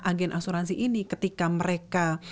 agen asuransi ini ketika mereka